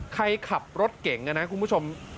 ใครขับรถเก่งนะคุณผู้ชม